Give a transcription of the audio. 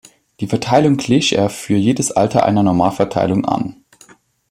Die Verteilung glich er für jedes Alter einer Normalverteilung an.